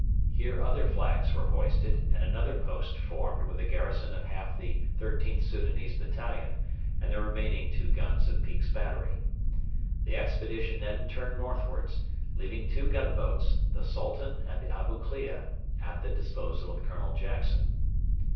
Here other flags were hoisted and another post formed with a garrison of half the XIIIth Soudanese battalion and the remaining two guns of Peake's battery. The expedition then turned northwards, leaving two gunboats the Sultan and the Abu Klea at the disposal of Colonel Jackson.